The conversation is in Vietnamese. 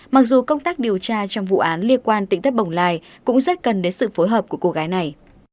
mặc dù công tác điều tra trong vụ án liên quan tỉnh thất bồng lai cũng rất cần đến sự phối hợp của cô gái này